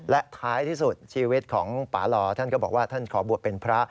และท้ายที่สุดชีวิตของป่าลอท่านก็บอกว่าท่านขอบวชเป็นพระ